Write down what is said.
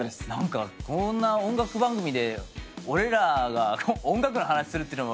こんな音楽番組で俺らが音楽の話するってのも。